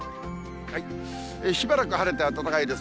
しばらく晴れて暖かいです。